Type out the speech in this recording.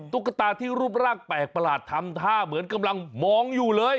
ตุ๊กตาที่รูปร่างแปลกประหลาดทำท่าเหมือนกำลังมองอยู่เลย